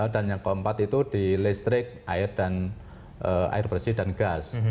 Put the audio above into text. dan yang keempat itu di listrik air bersih dan gas